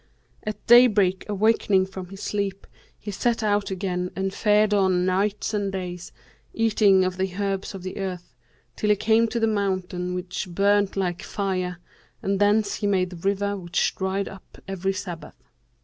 At daybreak awaking from his sleep he set out again and fared on nights and days, eating of the herbs of the earth, till he came to the mountain which burnt like fire, and thence he made the river which dried up every Sabbath.